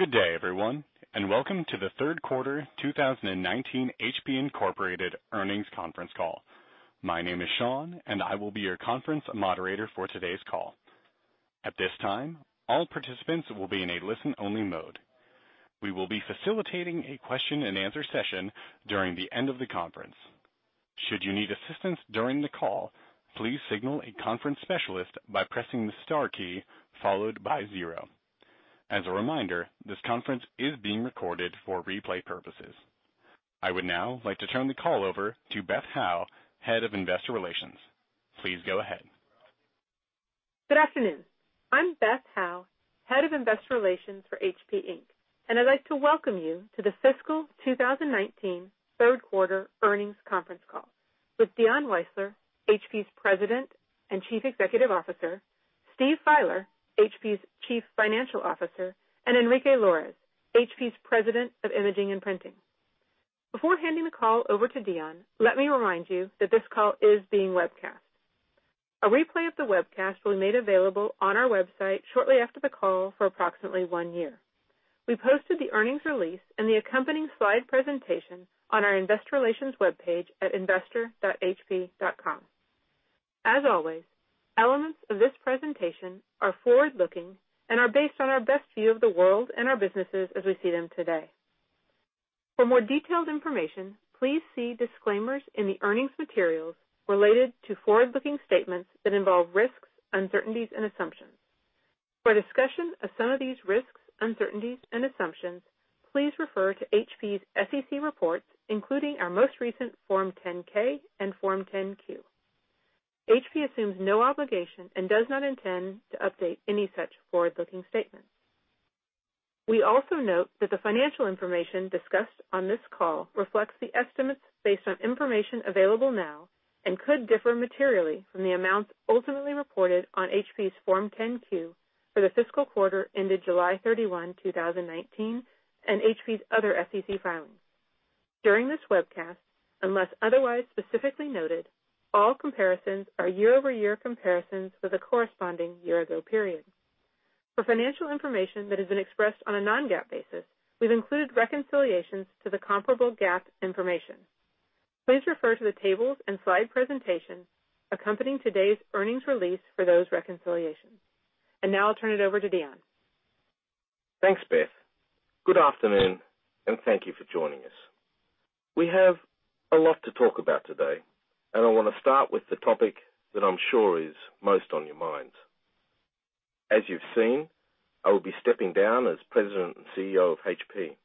Good day, everyone, and welcome to the third quarter 2019 HP Inc. earnings conference call. My name is Sean, and I will be your conference moderator for today's call. At this time, all participants will be in a listen-only mode. We will be facilitating a question and answer session during the end of the conference. Should you need assistance during the call, please signal a conference specialist by pressing the star key followed by 0. As a reminder, this conference is being recorded for replay purposes. I would now like to turn the call over to Beth Howe, Head of Investor Relations. Please go ahead. Good afternoon. I'm Beth Howe, Head of Investor Relations for HP Inc. I'd like to welcome you to the fiscal 2019 third quarter earnings conference call with Dion Weisler, HP's President and Chief Executive Officer, Steve Fieler, HP's Chief Financial Officer, Enrique Lores, HP's President of Imaging, Printing and Solutions. Before handing the call over to Dion, let me remind you that this call is being webcast. A replay of the webcast will be made available on our website shortly after the call for approximately one year. We posted the earnings release and the accompanying slide presentation on our investor relations webpage at investor.hp.com. As always, elements of this presentation are forward-looking and are based on our best view of the world and our businesses as we see them today. For more detailed information, please see disclaimers in the earnings materials related to forward-looking statements that involve risks, uncertainties, and assumptions. For a discussion of some of these risks, uncertainties, and assumptions, please refer to HP's SEC reports, including our most recent Form 10-K and Form 10-Q. HP assumes no obligation and does not intend to update any such forward-looking statements. We also note that the financial information discussed on this call reflects the estimates based on information available now and could differ materially from the amounts ultimately reported on HP's Form 10-Q for the fiscal quarter ended July 31, 2019, and HP's other SEC filings. During this webcast, unless otherwise specifically noted, all comparisons are year-over-year comparisons with the corresponding year-ago period. For financial information that has been expressed on a non-GAAP basis, we've included reconciliations to the comparable GAAP information. Please refer to the tables and slide presentation accompanying today's earnings release for those reconciliations. Now I'll turn it over to Dion. Thanks, Beth. Good afternoon, and thank you for joining us. We have a lot to talk about today, and I want to start with the topic that I'm sure is most on your minds. As you've seen, I will be stepping down as President and CEO of HP.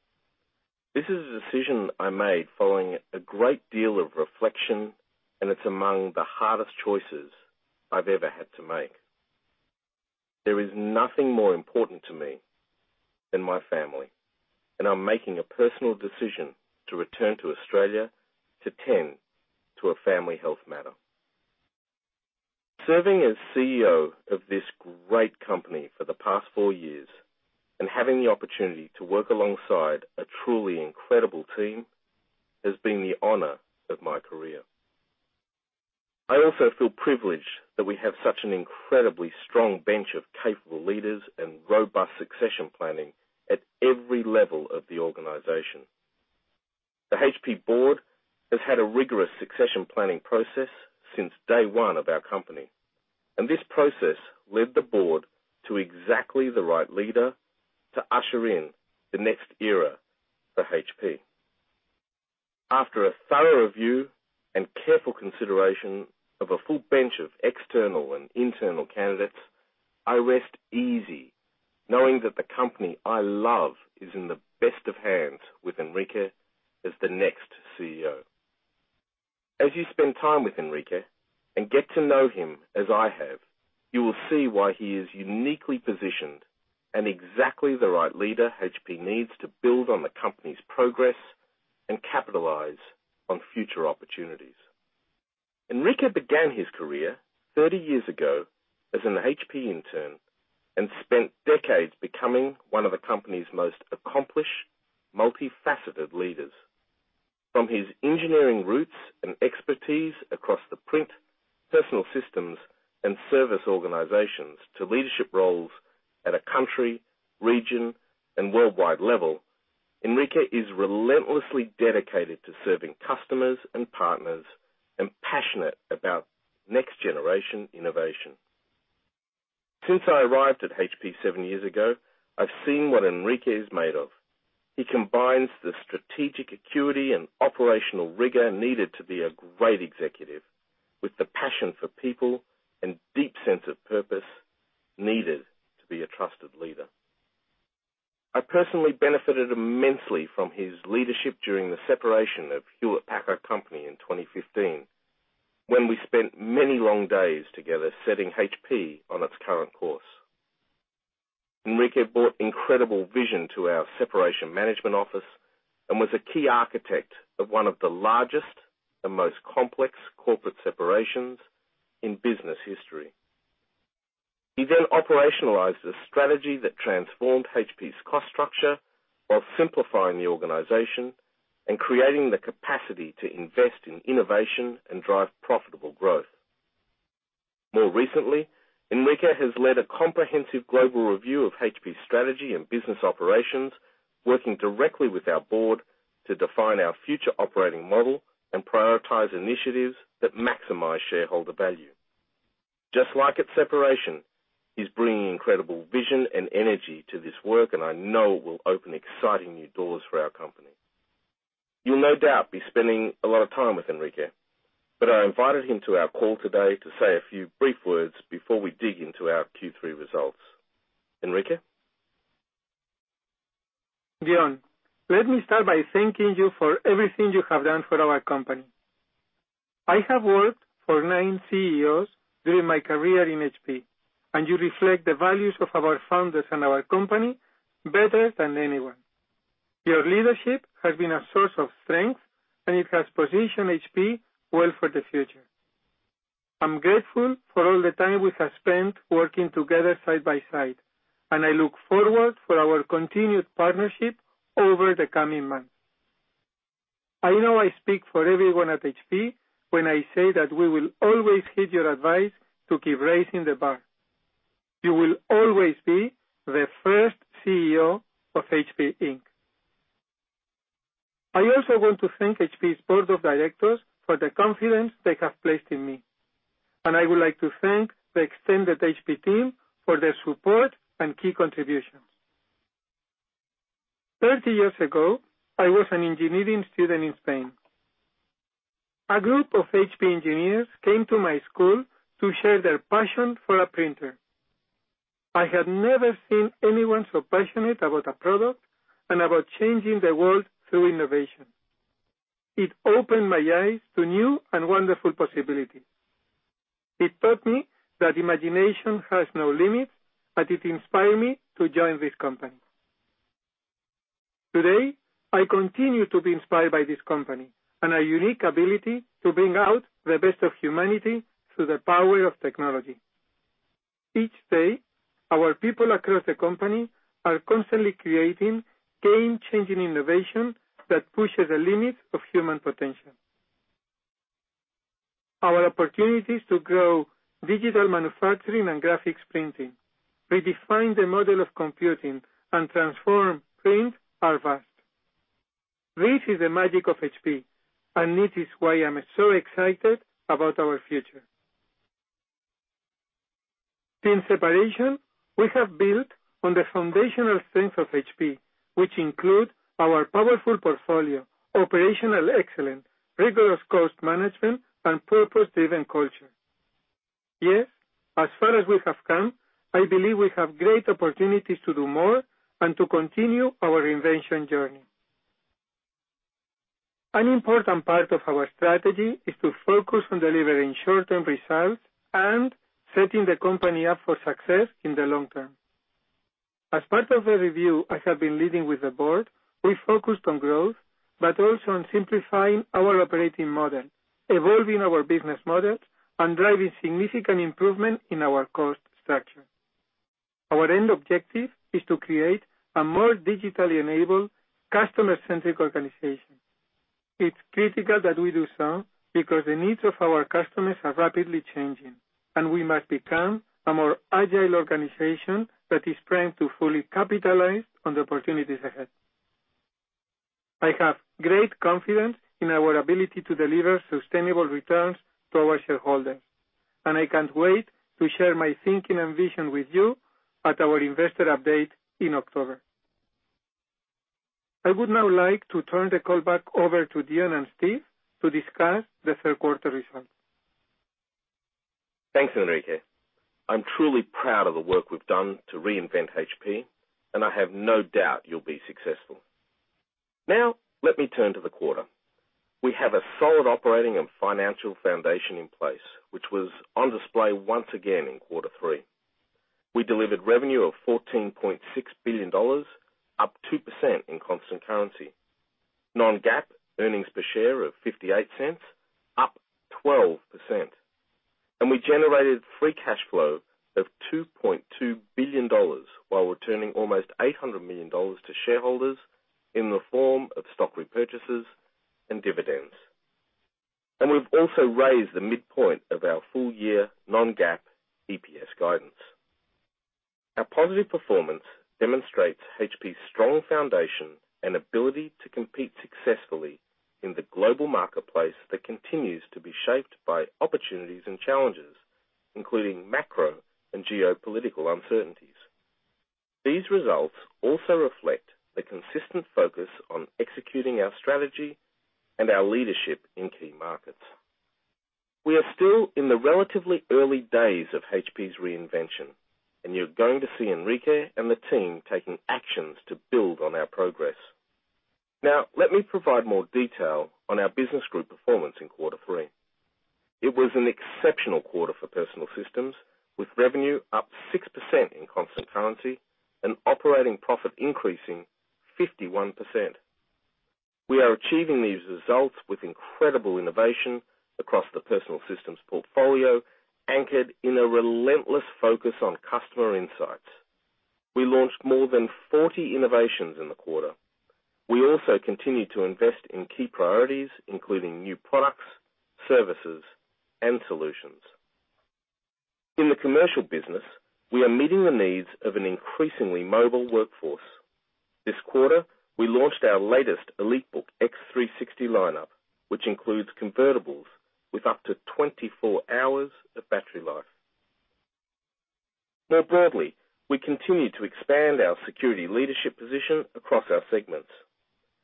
This is a decision I made following a great deal of reflection, and it's among the hardest choices I've ever had to make. There is nothing more important to me than my family, and I'm making a personal decision to return to Australia to tend to a family health matter. Serving as CEO of this great company for the past four years and having the opportunity to work alongside a truly incredible team has been the honor of my career. I also feel privileged that we have such an incredibly strong bench of capable leaders and robust succession planning at every level of the organization. The HP Board has had a rigorous succession planning process since day one of our company, and this process led the Board to exactly the right leader to usher in the next era for HP. After a thorough review and careful consideration of a full bench of external and internal candidates, I rest easy knowing that the company I love is in the best of hands with Enrique as the next CEO. As you spend time with Enrique and get to know him as I have, you will see why he is uniquely positioned and exactly the right leader HP needs to build on the company's progress and capitalize on future opportunities. Enrique began his career 30 years ago as an HP intern and spent decades becoming one of the company's most accomplished, multifaceted leaders. From his engineering roots and expertise across the print, personal systems, and service organizations, to leadership roles at a country, region, and worldwide level, Enrique is relentlessly dedicated to serving customers and partners and passionate about next-generation innovation. Since I arrived at HP seven years ago, I've seen what Enrique is made of. He combines the strategic acuity and operational rigor needed to be a great executive with the passion for people and deep sense of purpose needed to be a trusted leader. I personally benefited immensely from his leadership during the separation of Hewlett-Packard Company in 2015 when we spent many long days together setting HP on its current course. Enrique brought incredible vision to our separation management office and was a key architect of one of the largest and most complex corporate separations in business history. He then operationalized a strategy that transformed HP's cost structure while simplifying the organization and creating the capacity to invest in innovation and drive profitable growth. More recently, Enrique has led a comprehensive global review of HP's strategy and business operations, working directly with our board to define our future operating model and prioritize initiatives that maximize shareholder value. Just like its separation, he's bringing incredible vision and energy to this work, and I know it will open exciting new doors for our company. You'll no doubt be spending a lot of time with Enrique, but I invited him to our call today to say a few brief words before we dig into our Q3 results. Enrique? Dion, let me start by thanking you for everything you have done for our company. I have worked for nine CEOs during my career in HP, and you reflect the values of our founders and our company better than anyone. Your leadership has been a source of strength, and it has positioned HP well for the future. I'm grateful for all the time we have spent working together side by side, and I look forward for our continued partnership over the coming months. I know I speak for everyone at HP when I say that we will always heed your advice to keep raising the bar. You will always be the first CEO of HP Inc. I also want to thank HP's board of directors for the confidence they have placed in me, and I would like to thank the extended HP team for their support and key contributions. Thirty years ago, I was an engineering student in Spain. A group of HP engineers came to my school to share their passion for a printer. I had never seen anyone so passionate about a product and about changing the world through innovation. It opened my eyes to new and wonderful possibilities. It taught me that imagination has no limits, and it inspired me to join this company. Today, I continue to be inspired by this company and our unique ability to bring out the best of humanity through the power of technology. Each day, our people across the company are constantly creating game-changing innovation that pushes the limits of human potential. Our opportunities to grow digital manufacturing and graphics printing, redefine the model of computing, and transform print are vast. This is the magic of HP, and it is why I'm so excited about our future. Since separation, we have built on the foundational strength of HP, which include our powerful portfolio, operational excellence, rigorous cost management, and purpose-driven culture. Yes, as far as we have come, I believe we have great opportunities to do more and to continue our invention journey. An important part of our strategy is to focus on delivering short-term results and setting the company up for success in the long term. As part of the review I have been leading with the board, we focused on growth, but also on simplifying our operating model, evolving our business models, and driving significant improvement in our cost structure. Our end objective is to create a more digitally enabled, customer-centric organization. It's critical that we do so because the needs of our customers are rapidly changing, and we must become a more agile organization that is primed to fully capitalize on the opportunities ahead. I have great confidence in our ability to deliver sustainable returns to our shareholders, and I can't wait to share my thinking and vision with you at our investor update in October. I would now like to turn the call back over to Dion and Steve to discuss the third quarter results. Thanks, Enrique. I'm truly proud of the work we've done to reinvent HP, and I have no doubt you'll be successful. Now, let me turn to the quarter. We have a solid operating and financial foundation in place, which was on display once again in quarter three. We delivered revenue of $14.6 billion, up 2% in constant currency. Non-GAAP earnings per share of $0.58, up 12%. We generated free cash flow of $2.2 billion while returning almost $800 million to shareholders in the form of stock repurchases and dividends. We've also raised the midpoint of our full year non-GAAP EPS guidance. Our positive performance demonstrates HP's strong foundation and ability to compete successfully in the global marketplace that continues to be shaped by opportunities and challenges, including macro and geopolitical uncertainties. These results also reflect the consistent focus on executing our strategy and our leadership in key markets. We are still in the relatively early days of HP's reinvention, and you're going to see Enrique and the team taking actions to build on our progress. Now, let me provide more detail on our business group performance in quarter 3. It was an exceptional quarter for Personal Systems, with revenue up 6% in constant currency and operating profit increasing 51%. We are achieving these results with incredible innovation across the Personal Systems portfolio, anchored in a relentless focus on customer insights. We launched more than 40 innovations in the quarter. We also continued to invest in key priorities, including new products, services, and solutions. In the commercial business, we are meeting the needs of an increasingly mobile workforce. This quarter, we launched our latest EliteBook x360 lineup, which includes convertibles with up to 24 hours of battery life. More broadly, we continue to expand our security leadership position across our segments.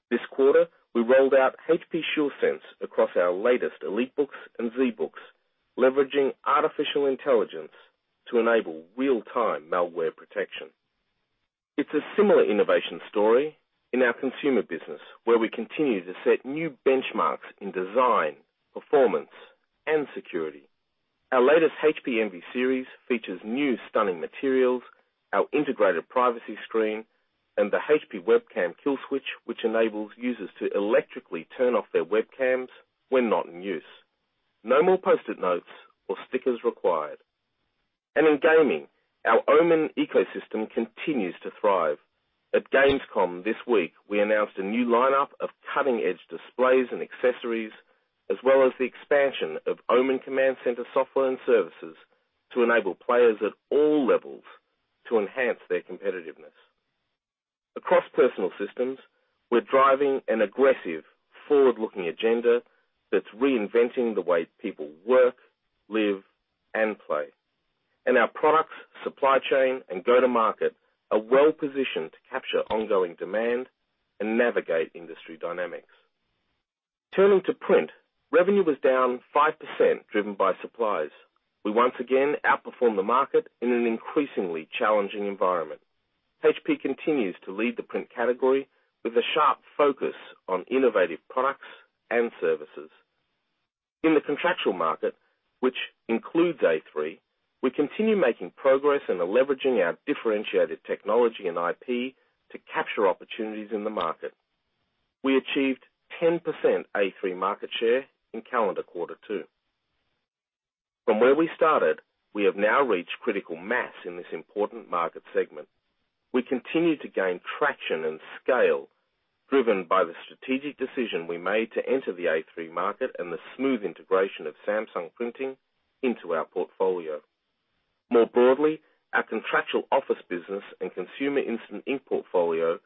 This quarter, we rolled out HP Sure Sense across our latest EliteBooks and ZBooks, leveraging artificial intelligence to enable real-time malware protection. It's a similar innovation story in our consumer business, where we continue to set new benchmarks in design, performance, and security. Our latest HP Envy series features new stunning materials, our integrated privacy screen, and the HP Webcam Kill Switch, which enables users to electrically turn off their webcams when not in use. No more Post-it notes or stickers required. In gaming, our OMEN ecosystem continues to thrive. At Gamescom this week, we announced a new lineup of cutting-edge displays and accessories, as well as the expansion of OMEN Command Center software and services to enable players at all levels to enhance their competitiveness. Across personal systems, we're driving an aggressive forward-looking agenda that's reinventing the way people work, live, and play. Our products, supply chain, and go-to-market are well-positioned to capture ongoing demand and navigate industry dynamics. Turning to print, revenue was down 5%, driven by supplies. We once again outperformed the market in an increasingly challenging environment. HP continues to lead the print category with a sharp focus on innovative products and services. In the contractual market, which includes A3, we continue making progress and are leveraging our differentiated technology and IP to capture opportunities in the market. We achieved 10% A3 market share in calendar quarter 2. From where we started, we have now reached critical mass in this important market segment. We continue to gain traction and scale, driven by the strategic decision we made to enter the A3 market and the smooth integration of Samsung Printing into our portfolio. More broadly, our contractual office business and consumer Instant Ink portfolio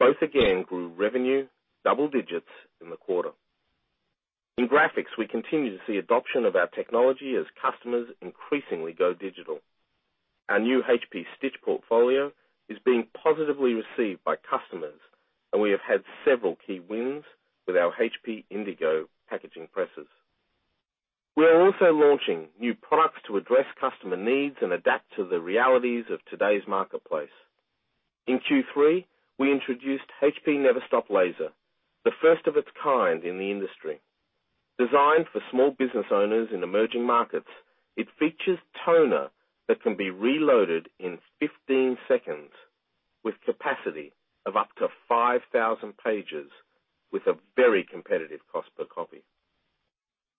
both again grew revenue double digits in the quarter. In graphics, we continue to see adoption of our technology as customers increasingly go digital. Our new HP Stitch portfolio is being positively received by customers, and we have had several key wins with our HP Indigo packaging presses. We are also launching new products to address customer needs and adapt to the realities of today's marketplace. In Q3, we introduced HP Neverstop Laser, the first of its kind in the industry. Designed for small business owners in emerging markets, it features toner that can be reloaded in 15 seconds with capacity of up to 5,000 pages with a very competitive cost per copy.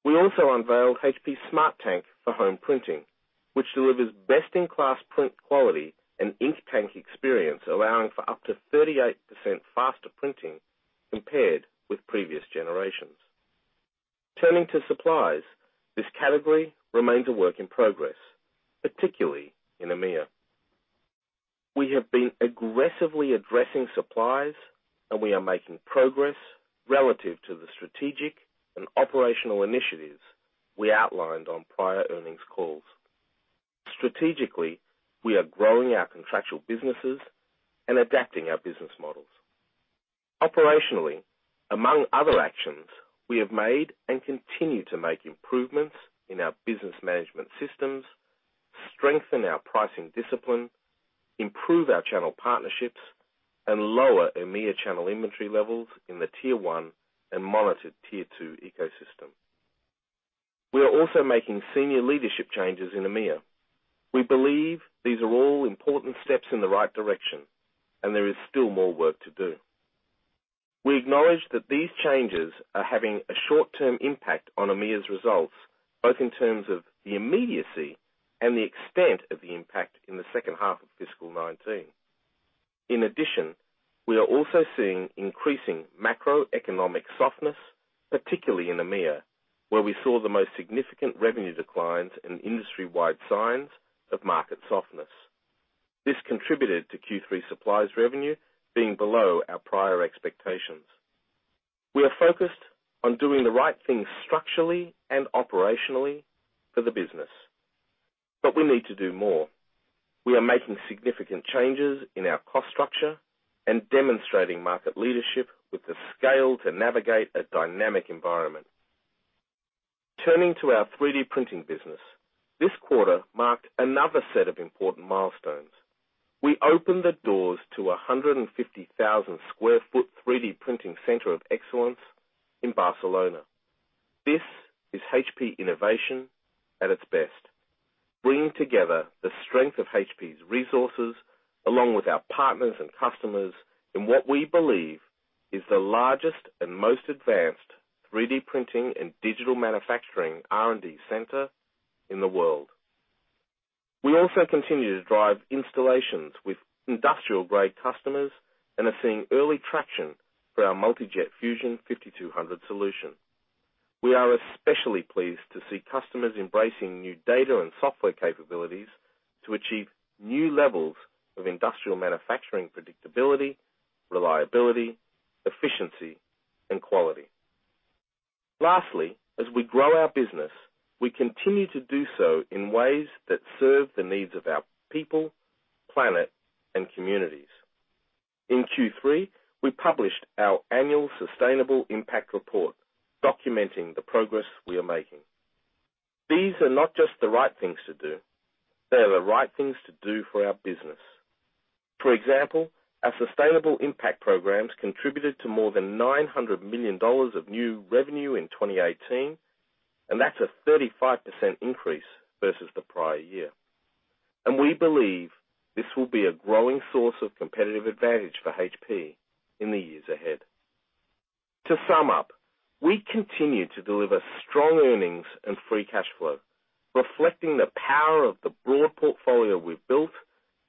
We also unveiled HP Smart Tank for home printing, which delivers best-in-class print quality and ink tank experience, allowing for up to 38% faster printing compared with previous generations. Turning to supplies, this category remains a work in progress, particularly in EMEA. We have been aggressively addressing supplies and we are making progress relative to the strategic and operational initiatives we outlined on prior earnings calls. Strategically, we are growing our contractual businesses and adapting our business models. Operationally, among other actions, we have made and continue to make improvements in our business management systems, strengthen our pricing discipline, improve our channel partnerships, and lower EMEA channel inventory levels in the tier 1 and monitored tier 2 ecosystem. We are also making senior leadership changes in EMEA. We believe these are all important steps in the right direction, and there is still more work to do. We acknowledge that these changes are having a short-term impact on EMEA's results, both in terms of the immediacy and the extent of the impact in the second half of fiscal 2019. In addition, we are also seeing increasing macroeconomic softness, particularly in EMEA, where we saw the most significant revenue declines and industry-wide signs of market softness. This contributed to Q3 supplies revenue being below our prior expectations. We are focused on doing the right things structurally and operationally for the business, but we need to do more. We are making significant changes in our cost structure and demonstrating market leadership with the scale to navigate a dynamic environment. Turning to our 3D printing business. This quarter marked another set of important milestones. We opened the doors to a 150,000 square foot 3D printing center of excellence in Barcelona. This is HP innovation at its best, bringing together the strength of HP's resources along with our partners and customers in what we believe is the largest and most advanced 3D printing and digital manufacturing R&D center in the world. We also continue to drive installations with industrial-grade customers and are seeing early traction for our Multi Jet Fusion 5200 solution. We are especially pleased to see customers embracing new data and software capabilities to achieve new levels of industrial manufacturing predictability, reliability, efficiency, and quality. As we grow our business, we continue to do so in ways that serve the needs of our people, planet, and communities. In Q3, we published our annual sustainable impact report documenting the progress we are making. These are not just the right things to do, they are the right things to do for our business. For example, our sustainable impact programs contributed to more than $900 million of new revenue in 2018, and that's a 35% increase versus the prior year. We believe this will be a growing source of competitive advantage for HP in the years ahead. To sum up, we continue to deliver strong earnings and free cash flow, reflecting the power of the broad portfolio we've built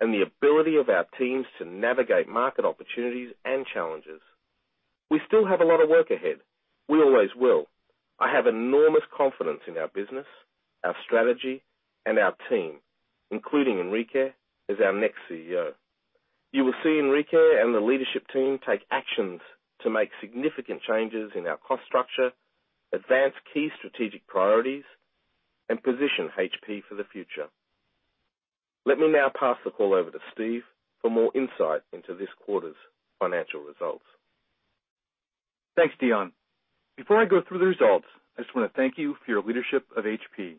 and the ability of our teams to navigate market opportunities and challenges. We still have a lot of work ahead. We always will. I have enormous confidence in our business, our strategy, and our team, including Enrique as our next CEO. You will see Enrique and the leadership team take actions to make significant changes in our cost structure, advance key strategic priorities, and position HP for the future. Let me now pass the call over to Steve for more insight into this quarter's financial results. Thanks, Dion. Before I go through the results, I just want to thank you for your leadership of HP.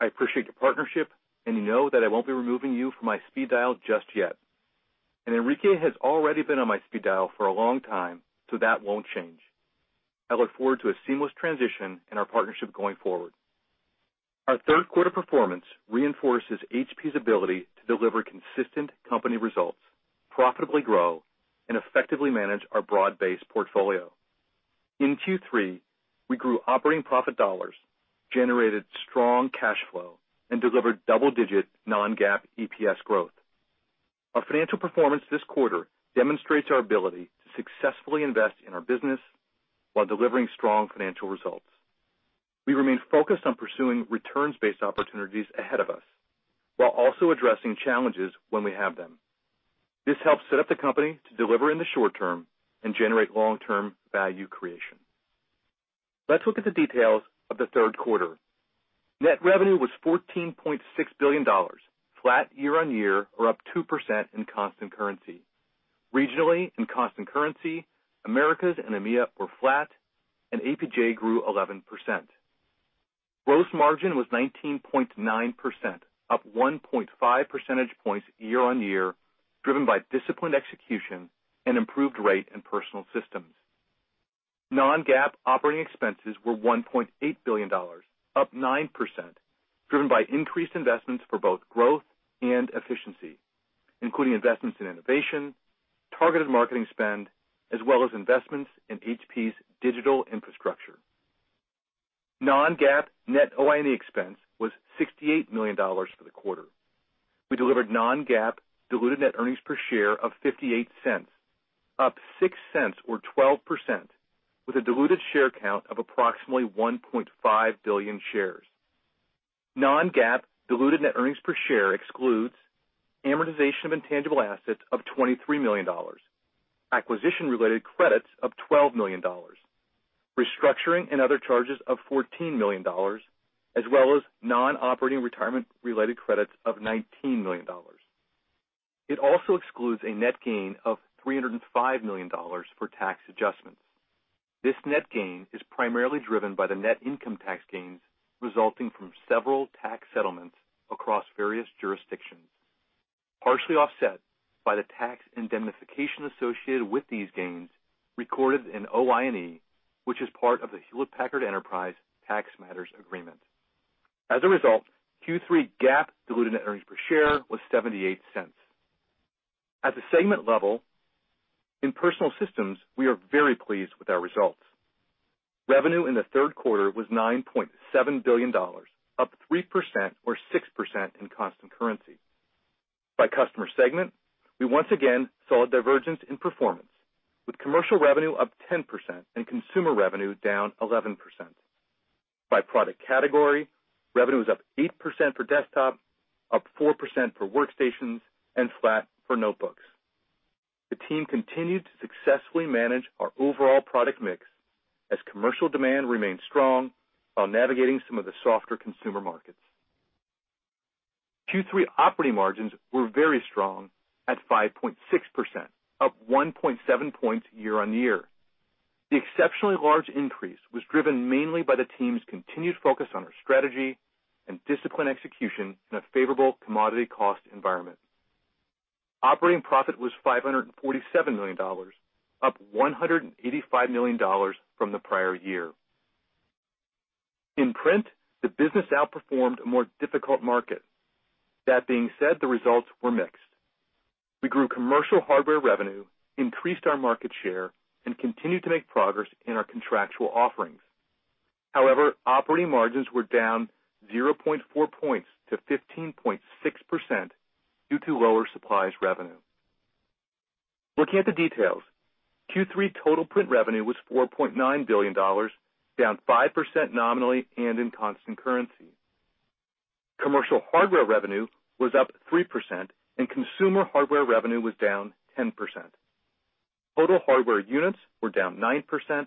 I appreciate your partnership, and you know that I won't be removing you from my speed dial just yet. Enrique has already been on my speed dial for a long time, so that won't change. I look forward to a seamless transition in our partnership going forward. Our third quarter performance reinforces HP's ability to deliver consistent company results, profitably grow, and effectively manage our broad-based portfolio. In Q3, we grew operating profit dollars, generated strong cash flow, and delivered double-digit non-GAAP EPS growth. Our financial performance this quarter demonstrates our ability to successfully invest in our business while delivering strong financial results. We remain focused on pursuing returns-based opportunities ahead of us, while also addressing challenges when we have them. This helps set up the company to deliver in the short term and generate long-term value creation. Let's look at the details of the third quarter. Net revenue was $14.6 billion, flat year-on-year or up 2% in constant currency. Regionally, in constant currency, Americas and EMEA were flat, and APJ grew 11%. Gross margin was 19.9%, up 1.5 percentage points year-on-year, driven by disciplined execution and improved rate in Personal Systems. Non-GAAP operating expenses were $1.8 billion, up 9%, driven by increased investments for both growth and efficiency, including investments in innovation, targeted marketing spend, as well as investments in HP's digital infrastructure. Non-GAAP net OIE expense was $68 million for the quarter. We delivered non-GAAP diluted net earnings per share of $0.58, up $0.06 or 12%, with a diluted share count of approximately 1.5 billion shares. Non-GAAP diluted net earnings per share excludes amortization of intangible assets of $23 million, acquisition-related credits of $12 million, restructuring and other charges of $14 million, as well as non-operating retirement-related credits of $19 million. It also excludes a net gain of $305 million for tax adjustments. This net gain is primarily driven by the net income tax gains resulting from several tax settlements across various jurisdictions, partially offset by the tax indemnification associated with these gains recorded in OIE, which is part of the Hewlett-Packard Company Enterprise tax matters agreement. As a result, Q3 GAAP diluted net earnings per share was $0.78. At the segment level, in Personal Systems, we are very pleased with our results. Revenue in the third quarter was $9.7 billion, up 3% or 6% in constant currency. By customer segment, we once again saw a divergence in performance, with commercial revenue up 10% and consumer revenue down 11%. By product category, revenue is up 8% for desktop, up 4% for workstations, and flat for notebooks. The team continued to successfully manage our overall product mix as commercial demand remained strong while navigating some of the softer consumer markets. Q3 operating margins were very strong at 5.6%, up 1.7 points year-on-year. The exceptionally large increase was driven mainly by the team's continued focus on our strategy and disciplined execution in a favorable commodity cost environment. Operating profit was $547 million, up $185 million from the prior year. In Print, the business outperformed a more difficult market. That being said, the results were mixed. We grew commercial hardware revenue, increased our market share, and continued to make progress in our contractual offerings. However, operating margins were down 0.4 points to 15.6% due to lower supplies revenue. Looking at the details, Q3 total print revenue was $4.9 billion, down 5% nominally and in constant currency. Commercial hardware revenue was up 3%. Consumer hardware revenue was down 10%. Total hardware units were down 9%,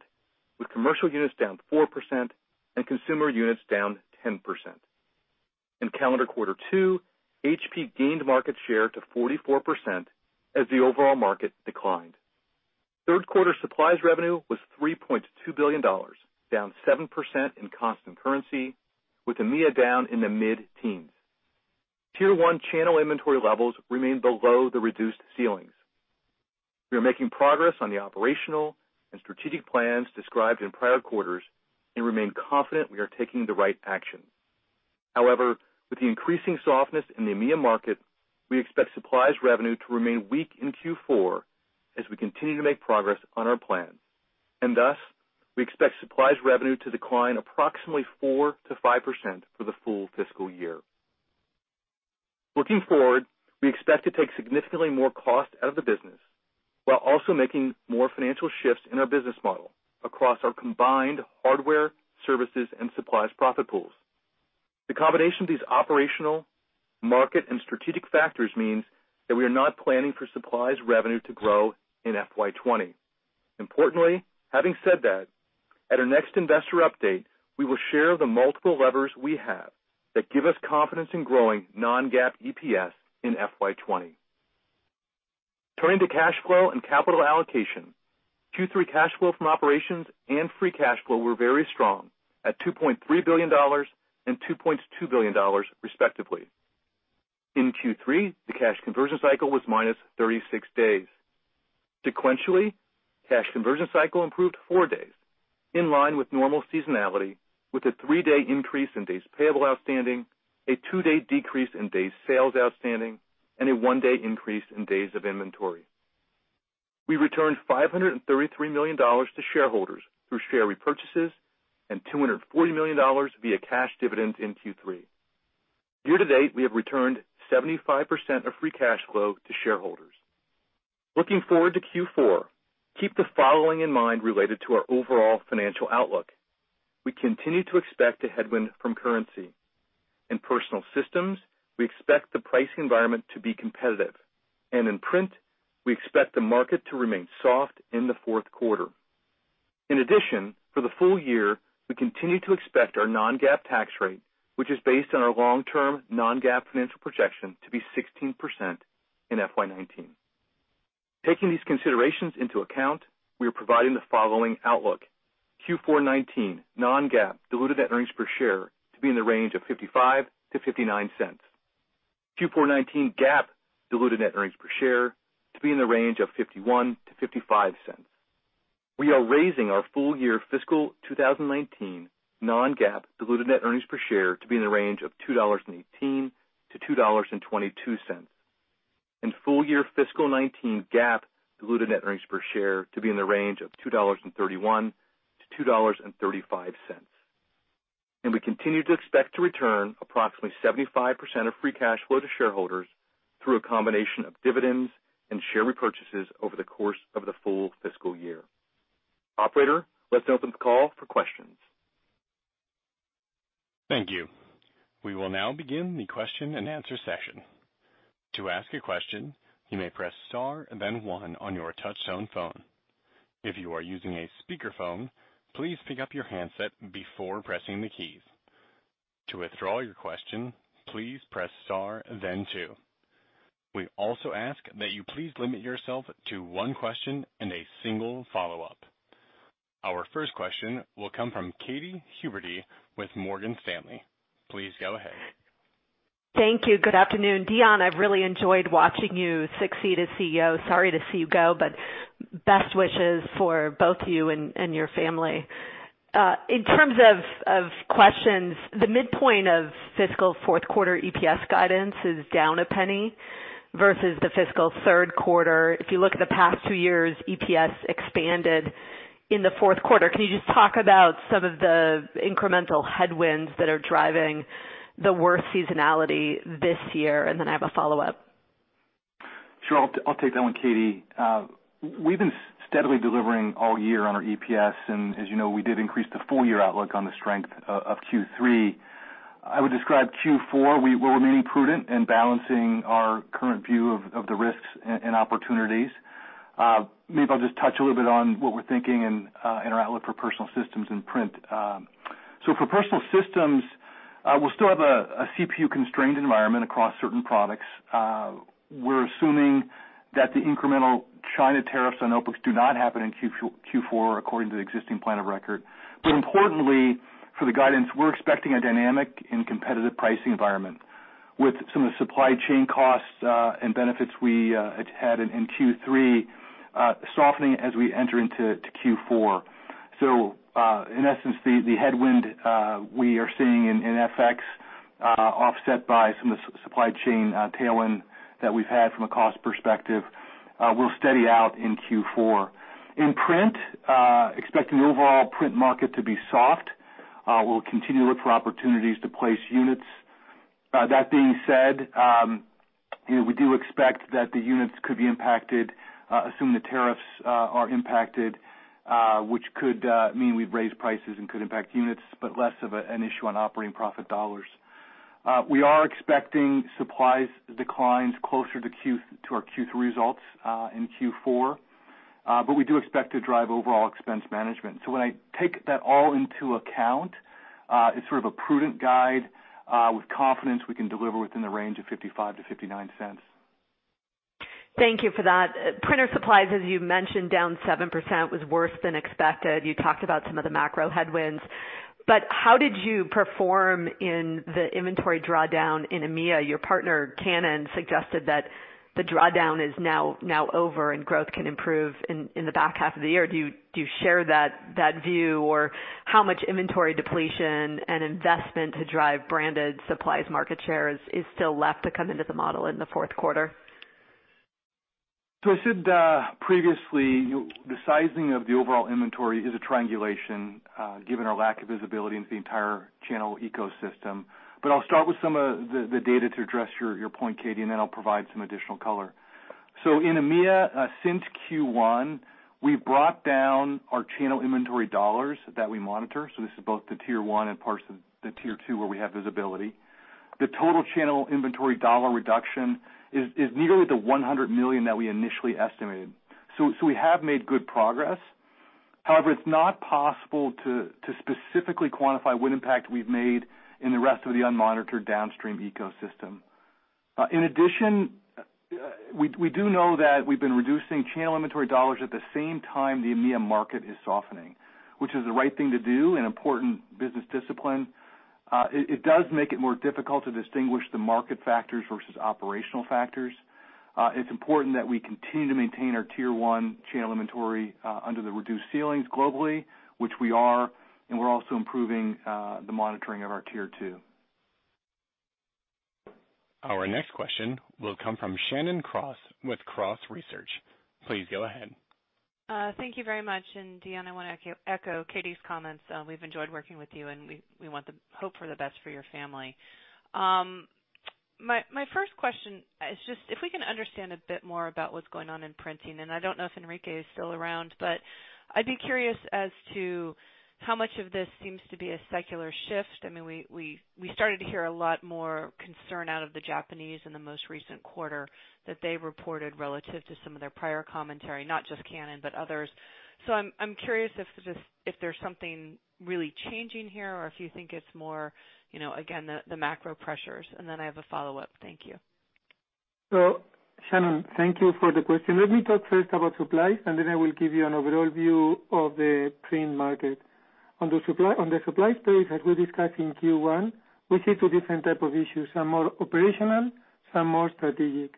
with commercial units down 4% and consumer units down 10%. In calendar quarter two, HP gained market share to 44% as the overall market declined. Third quarter supplies revenue was $3.2 billion, down 7% in constant currency, with EMEA down in the mid-teens. Tier one channel inventory levels remain below the reduced ceilings. We are making progress on the operational and strategic plans described in prior quarters and remain confident we are taking the right action. However, with the increasing softness in the EMEA market, we expect supplies revenue to remain weak in Q4 as we continue to make progress on our plan. Thus, we expect supplies revenue to decline approximately 4%-5% for the full fiscal year. Looking forward, we expect to take significantly more cost out of the business while also making more financial shifts in our business model across our combined hardware, services, and supplies profit pools. The combination of these operational, market, and strategic factors means that we are not planning for supplies revenue to grow in FY 2020. Importantly, having said that, at our next investor update, we will share the multiple levers we have that give us confidence in growing non-GAAP EPS in FY 2020. Turning to cash flow and capital allocation, Q3 cash flow from operations and free cash flow were very strong at $2.3 billion and $2.2 billion, respectively. In Q3, the cash conversion cycle was minus 36 days. Sequentially, cash conversion cycle improved four days, in line with normal seasonality, with a three-day increase in days payable outstanding, a two-day decrease in days sales outstanding, and a one-day increase in days of inventory. We returned $533 million to shareholders through share repurchases and $240 million via cash dividends in Q3. Year to date, we have returned 75% of free cash flow to shareholders. Looking forward to Q4, keep the following in mind related to our overall financial outlook. We continue to expect a headwind from currency. In personal systems, we expect the price environment to be competitive, and in print, we expect the market to remain soft in the fourth quarter. In addition, for the full year, we continue to expect our non-GAAP tax rate, which is based on our long-term non-GAAP financial projection, to be 16% in FY 2019. Taking these considerations into account, we are providing the following outlook. Q4 2019 non-GAAP diluted net earnings per share to be in the range of $0.55-$0.59. Q4 2019 GAAP diluted net earnings per share to be in the range of $0.51-$0.55. We are raising our full-year fiscal 2019 non-GAAP diluted net earnings per share to be in the range of $2.18-$2.22. Full-year fiscal 2019 GAAP diluted net earnings per share to be in the range of $2.31-$2.35. We continue to expect to return approximately 75% of free cash flow to shareholders through a combination of dividends and share repurchases over the course of the full fiscal year. Operator, let's open the call for questions. Thank you. We will now begin the question and answer session. To ask a question, you may press star and then one on your touchtone phone. If you are using a speakerphone, please pick up your handset before pressing the keys. To withdraw your question, please press star then two. We also ask that you please limit yourself to one question and a single follow-up. Our first question will come from Katy Huberty with Morgan Stanley. Please go ahead. Thank you. Good afternoon. Dion, I've really enjoyed watching you succeed as CEO. Sorry to see you go, best wishes for both you and your family. In terms of questions, the midpoint of fiscal fourth quarter EPS guidance is down $0.01 versus the fiscal third quarter. If you look at the past two years, EPS expanded in the fourth quarter. Can you just talk about some of the incremental headwinds that are driving the worst seasonality this year? I have a follow-up. Sure. I'll take that one, Katy. We've been steadily delivering all year on our EPS, as you know, we did increase the full-year outlook on the strength of Q3. I would describe Q4, we're remaining prudent and balancing our current view of the risks and opportunities. Maybe I'll just touch a little bit on what we're thinking and our outlook for personal systems and print. For personal systems, we'll still have a CPU-constrained environment across certain products. We're assuming that the incremental China tariffs on notebooks do not happen in Q4 according to the existing plan of record. Importantly, for the guidance, we're expecting a dynamic and competitive pricing environment with some of the supply chain costs and benefits we had in Q3 softening as we enter into Q4. In essence, the headwind we are seeing in FX offset by some of the supply chain tailwind that we've had from a cost perspective will steady out in Q4. In print, expecting the overall print market to be soft. We'll continue to look for opportunities to place units. That being said, we do expect that the units could be impacted, assume the tariffs are impacted, which could mean we've raised prices and could impact units, but less of an issue on operating profit dollars. We are expecting supplies declines closer to our Q3 results in Q4, but we do expect to drive overall expense management. When I take that all into account, it's sort of a prudent guide with confidence we can deliver within the range of $0.55-$0.59. Thank you for that. Printer supplies, as you mentioned, down 7%, was worse than expected. You talked about some of the macro headwinds, but how did you perform in the inventory drawdown in EMEA? Your partner, Canon, suggested that the drawdown is now over and growth can improve in the back half of the year. Do you share that view, or how much inventory depletion and investment to drive branded supplies market share is still left to come into the model in the fourth quarter? I said previously, the sizing of the overall inventory is a triangulation, given our lack of visibility into the entire channel ecosystem. I'll start with some of the data to address your point, Katy, and then I'll provide some additional color. In EMEA, since Q1, we've brought down our channel inventory $ that we monitor. This is both the tier 1 and parts of the tier 2 where we have visibility. The total channel inventory $ reduction is nearly the $100 million that we initially estimated. We have made good progress. However, it's not possible to specifically quantify what impact we've made in the rest of the unmonitored downstream ecosystem. In addition, we do know that we've been reducing channel inventory $ at the same time the EMEA market is softening, which is the right thing to do and important business discipline. It does make it more difficult to distinguish the market factors versus operational factors. It's important that we continue to maintain our tier 1 channel inventory under the reduced ceilings globally, which we are, and we're also improving the monitoring of our tier 2. Our next question will come from Shannon Cross with Cross Research. Please go ahead. Thank you very much. Dion, I want to echo Katy's comments. We've enjoyed working with you, and we hope for the best for your family. My first question is just if we can understand a bit more about what's going on in printing, and I don't know if Enrique is still around, but I'd be curious as to how much of this seems to be a secular shift. We started to hear a lot more concern out of the Japanese in the most recent quarter that they reported relative to some of their prior commentary, not just Canon, but others. I'm curious if there's something really changing here or if you think it's more, again, the macro pressures. I have a follow-up. Thank you. Shannon, thank you for the question. Let me talk first about supplies, and then I will give you an overall view of the print market. On the supply story, as we discussed in Q1, we see 2 different type of issues, some more operational, some more strategic.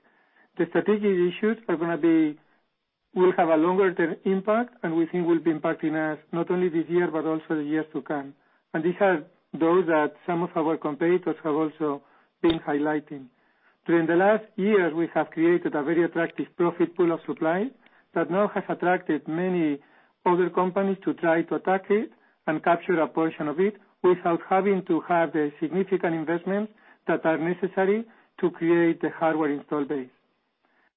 The strategic issues will have a longer-term impact, and we think will be impacting us not only this year, but also the years to come. These are those that some of our competitors have also been highlighting. During the last years, we have created a very attractive profit pool of supply that now has attracted many other companies to try to attack it and capture a portion of it without having to have the significant investments that are necessary to create the hardware install base.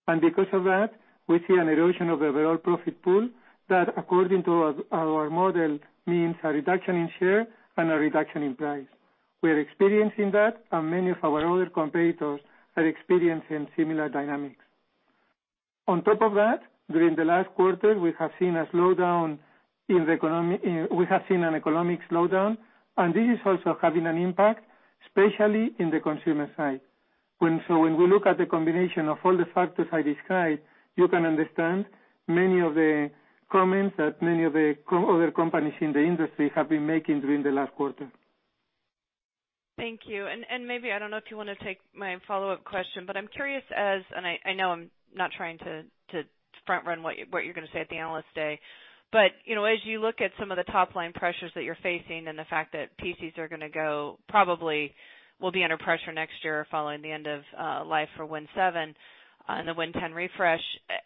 Because of that, we see an erosion of the overall profit pool that according to our model, means a reduction in share and a reduction in price. We are experiencing that, and many of our other competitors are experiencing similar dynamics. On top of that, during the last quarter, we have seen an economic slowdown, and this is also having an impact, especially in the consumer side. When we look at the combination of all the factors I described, you can understand many of the comments that many of the other companies in the industry have been making during the last quarter. Thank you. Maybe, I don't know if you want to take my follow-up question, but I'm curious as and I know I'm not trying to front-run what you're going to say at the Analyst Day. As you look at some of the top-line pressures that you're facing and the fact that PCs probably will be under pressure next year following the end of life for Windows 7 and the Windows 10 refresh,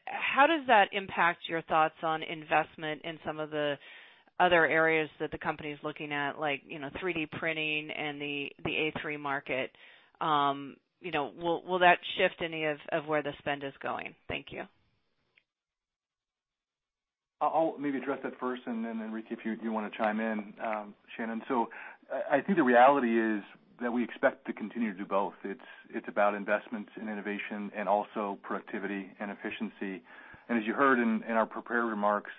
how does that impact your thoughts on investment in some of the other areas that the company's looking at, like 3D printing and the A3 market? Will that shift any of where the spend is going? Thank you. I'll maybe address that first, and then Enrique, if you want to chime in, Shannon. I think the reality is that we expect to continue to do both. It's about investments in innovation and also productivity and efficiency. As you heard in our prepared remarks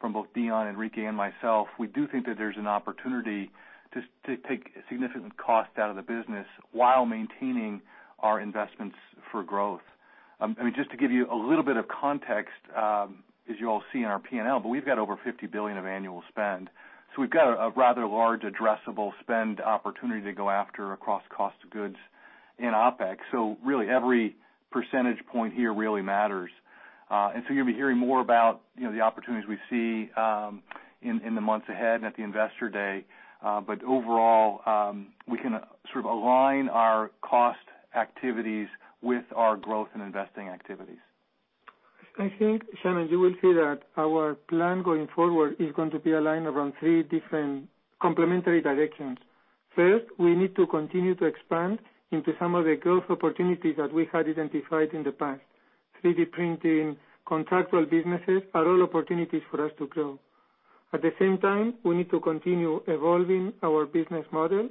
from both Dion, Enrique, and myself, we do think that there's an opportunity to take significant cost out of the business while maintaining our investments for growth. Just to give you a little bit of context, as you all see in our P&L, but we've got over $50 billion of annual spend. We've got a rather large addressable spend opportunity to go after across cost of goods and opex. Really every percentage point here really matters. You'll be hearing more about the opportunities we see in the months ahead and at the investor day. Overall, we can sort of align our cost activities with our growth and investing activities. I think, Shannon, you will see that our plan going forward is going to be aligned around three different complementary directions. First, we need to continue to expand into some of the growth opportunities that we had identified in the past. 3D printing, contractual businesses are all opportunities for us to grow. At the same time, we need to continue evolving our business model.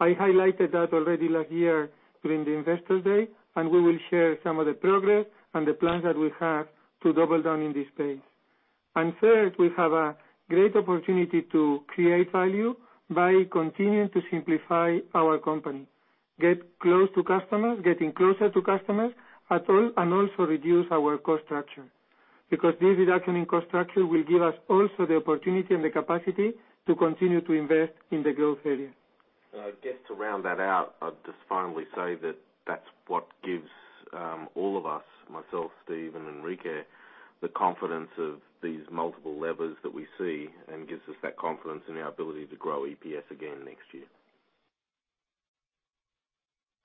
I highlighted that already last year during the investor day, and we will share some of the progress and the plans that we have to double down in this space. Third, we have a great opportunity to create value by continuing to simplify our company, get close to customers, getting closer to customers, and also reduce our cost structure. This reduction in cost structure will give us also the opportunity and the capacity to continue to invest in the growth area. I guess to round that out, I'd just finally say that that's what gives all of us, myself, Steve, and Enrique, the confidence of these multiple levers that we see and gives us that confidence in our ability to grow EPS again next year.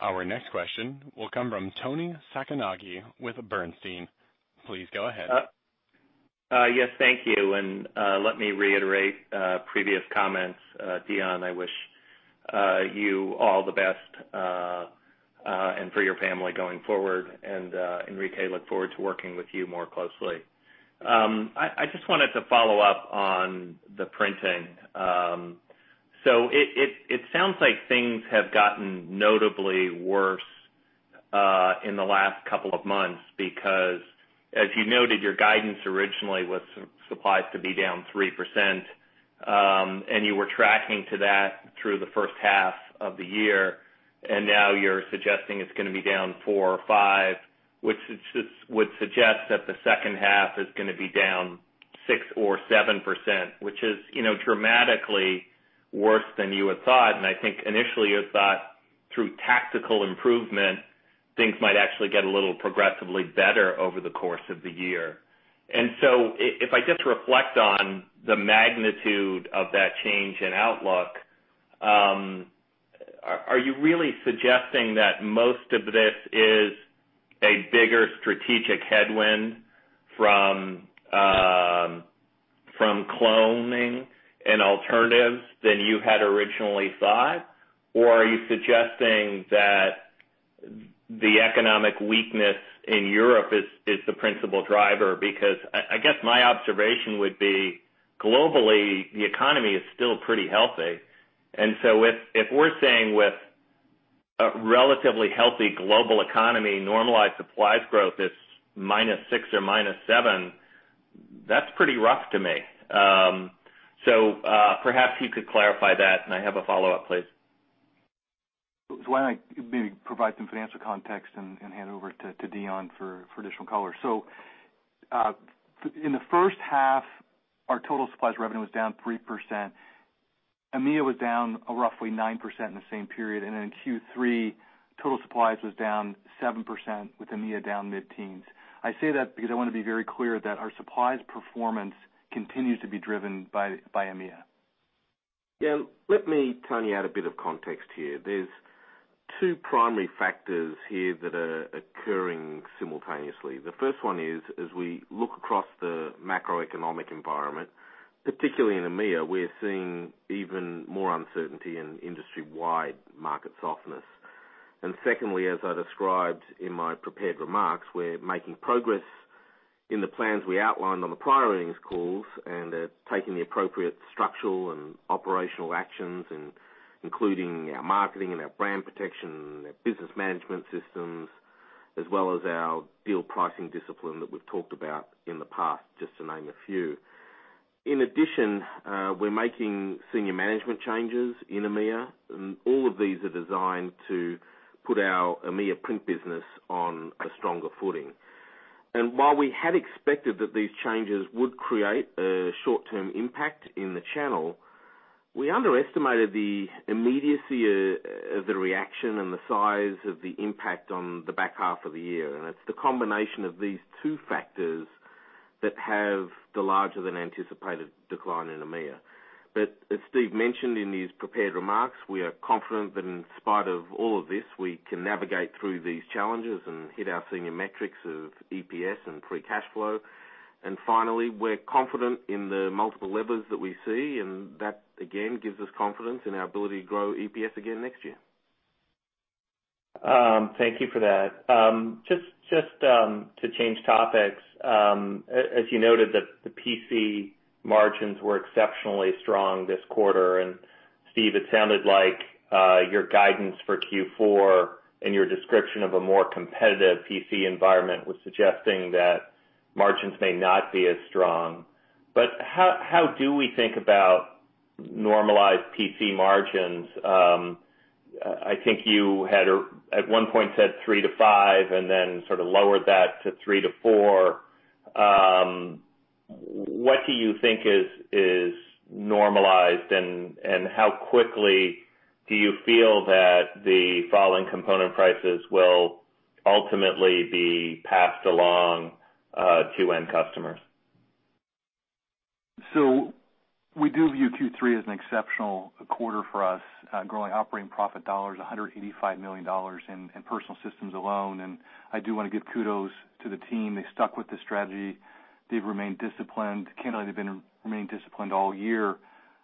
Our next question will come from Toni Sacconaghi with Bernstein. Please go ahead. Yes, thank you. Let me reiterate previous comments. Dion, I wish you all the best and for your family going forward. Enrique, look forward to working with you more closely. I just wanted to follow up on the printing. It sounds like things have gotten notably worse in the last couple of months because, as you noted, your guidance originally was supplies to be down 3%, and you were tracking to that through the first half of the year. Now you're suggesting it's going to be down 4% or 5%, which would suggest that the second half is going to be down 6% or 7%, which is dramatically worse than you had thought. I think initially you thought through tactical improvement, things might actually get a little progressively better over the course of the year. If I just reflect on the magnitude of that change in outlook, are you really suggesting that most of this is a bigger strategic headwind from cloning and alternatives than you had originally thought? Or are you suggesting that the economic weakness in Europe is the principal driver? I guess my observation would be, globally, the economy is still pretty healthy. If we're saying with a relatively healthy global economy, normalized supplies growth is minus six or minus seven, that's pretty rough to me. Perhaps you could clarify that, and I have a follow-up, please. Why don't I maybe provide some financial context and hand over to Dion for additional color? In the first half, our total supplies revenue was down 3%. EMEA was down roughly 9% in the same period. Then in Q3, total supplies was down 7%, with EMEA down mid-teens. I say that because I want to be very clear that our supplies performance continues to be driven by EMEA. Let me, Toni, add a bit of context here. There's two primary factors here that are occurring simultaneously. The first one is, as we look across the macroeconomic environment, particularly in EMEA, we're seeing even more uncertainty in industry-wide market softness. Secondly, as I described in my prepared remarks, we're making progress in the plans we outlined on the prior earnings calls and taking the appropriate structural and operational actions, including our marketing and our brand protection and our business management systems, as well as our deal pricing discipline that we've talked about in the past, just to name a few. In addition, we're making senior management changes in EMEA, and all of these are designed to put our EMEA print business on a stronger footing. While we had expected that these changes would create a short-term impact in the channel, we underestimated the immediacy of the reaction and the size of the impact on the back half of the year. It's the combination of these two factors that have the larger than anticipated decline in EMEA. As Steve mentioned in his prepared remarks, we are confident that in spite of all of this, we can navigate through these challenges and hit our senior metrics of EPS and free cash flow. Finally, we're confident in the multiple levers that we see, and that, again, gives us confidence in our ability to grow EPS again next year. Thank you for that. Just to change topics. As you noted, the PC margins were exceptionally strong this quarter. Steve, it sounded like your guidance for Q4 and your description of a more competitive PC environment was suggesting that margins may not be as strong. How do we think about normalized PC margins? I think you had at one point said 3% to 5%, and then sort of lowered that to 3% to 4%. What do you think is normalized and how quickly do you feel that the falling component prices will ultimately be passed along to end customers? We do view Q3 as an exceptional quarter for us, growing operating profit dollars, $185 million in Personal Systems alone. I do want to give kudos to the team. They stuck with the strategy. They've remained disciplined. Canon have remained disciplined all year,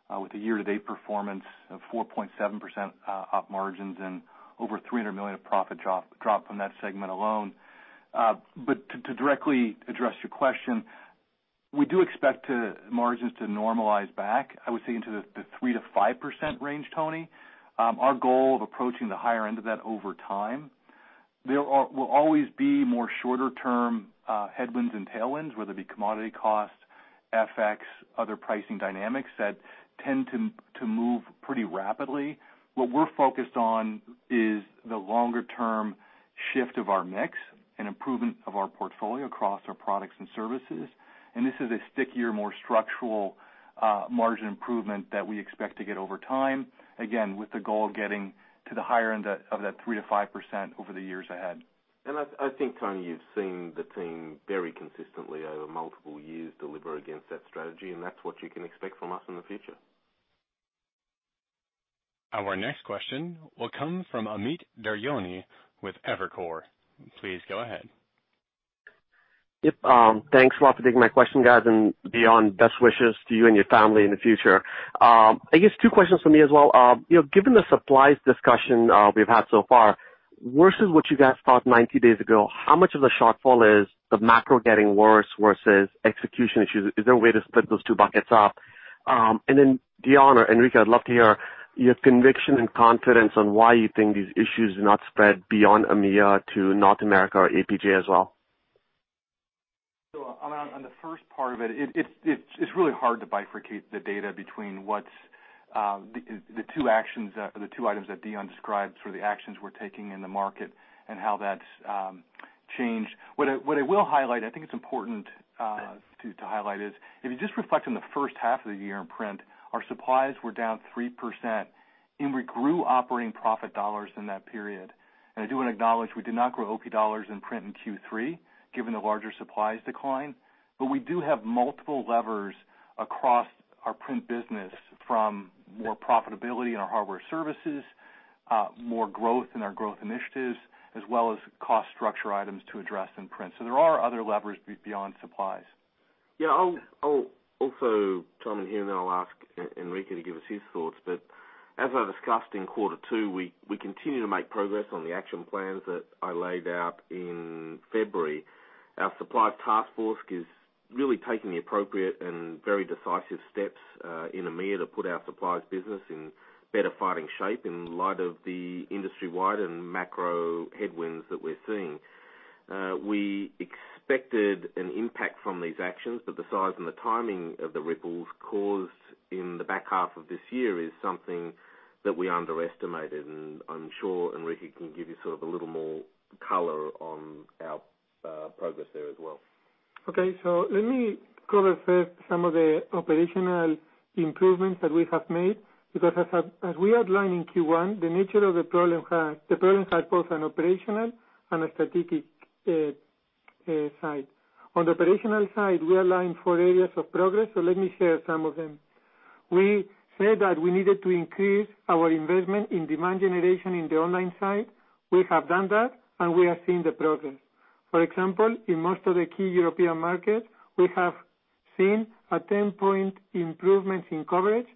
with a year-to-date performance of 4.7% OP margins and over $300 million of profit drop from that segment alone. To directly address your question, we do expect margins to normalize back, I would say, into the 3%-5% range, Toni. Our goal of approaching the higher end of that over time. There will always be more shorter-term headwinds and tailwinds, whether it be commodity costs, FX, other pricing dynamics that tend to move pretty rapidly. What we're focused on is the longer-term shift of our mix and improvement of our portfolio across our products and services. This is a stickier, more structural margin improvement that we expect to get over time. Again, with the goal of getting to the higher end of that 3% to 5% over the years ahead. I think, Toni, you've seen the team very consistently over multiple years deliver against that strategy, and that's what you can expect from us in the future. Our next question will come from Amit Daryanani with Evercore. Please go ahead. Yep. Thanks a lot for taking my question, guys, and Dion, best wishes to you and your family in the future. I guess two questions from me as well. Given the supplies discussion we've had so far, versus what you guys thought 90 days ago, how much of the shortfall is the macro getting worse versus execution issues? Is there a way to split those two buckets up? Dion or Enrique, I'd love to hear your conviction and confidence on why you think these issues do not spread beyond EMEA to North America or APJ as well. Amit Daryanani, on the first part of it's really hard to bifurcate the data between the two items that Dion described, sort of the actions we're taking in the market, and how that's changed. What I will highlight, I think it's important to highlight is, if you just reflect on the first half of the year in print, our supplies were down 3%, and we grew operating profit dollars in that period. I do want to acknowledge we did not grow OP dollars in print in Q3, given the larger supplies decline. We do have multiple levers across our print business from more profitability in our hardware services, more growth in our growth initiatives, as well as cost structure items to address in print. There are other levers beyond supplies. Yeah. I'll also chime in here, then I'll ask Enrique to give us his thoughts. As I discussed in quarter two, we continue to make progress on the action plans that I laid out in February. Our supplies task force is really taking the appropriate and very decisive steps in EMEA to put our supplies business in better fighting shape in light of the industry-wide and macro headwinds that we're seeing. We expected an impact from these actions, but the size and the timing of the ripples caused in the back half of this year is something that we underestimated. I'm sure Enrique can give you sort of a little more color on our progress there as well. Okay. Let me cover first some of the operational improvements that we have made, because as we outlined in Q1, the nature of the problem has both an operational and a strategic side. On the operational side, we outlined four areas of progress. Let me share some of them. We said that we needed to increase our investment in demand generation in the online side. We have done that, and we are seeing the progress. For example, in most of the key European markets, we have seen a 10-point improvements in coverage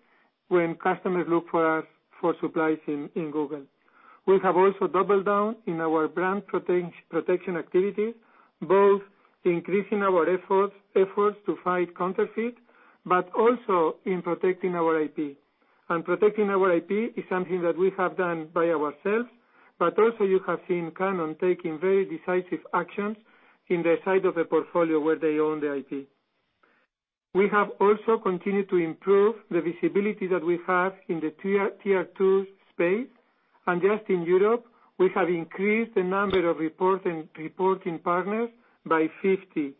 when customers look for us for supplies in Google. We have also doubled down in our brand protection activities, both increasing our efforts to fight counterfeit, but also in protecting our IP. Protecting our IP is something that we have done by ourselves, but also you have seen Canon taking very decisive actions in the side of the portfolio where they own the IP. We have also continued to improve the visibility that we have in the tier 2 space. Just in Europe, we have increased the number of reporting partners by 50%.